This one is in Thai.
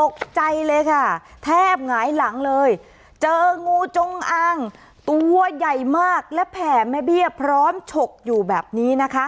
ตกใจเลยค่ะแทบหงายหลังเลยเจองูจงอางตัวใหญ่มากและแผ่แม่เบี้ยพร้อมฉกอยู่แบบนี้นะคะ